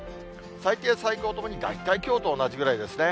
最低、最高ともに大体きょうと同じぐらいですね。